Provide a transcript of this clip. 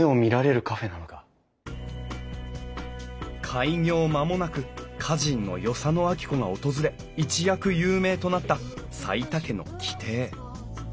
開業間もなく歌人の与謝野晶子が訪れ一躍有名となった齋田家の旗亭。